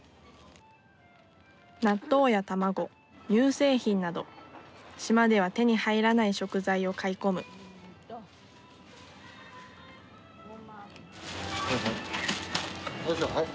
納豆や卵乳製品など島では手に入らない食材を買い込むはいはい。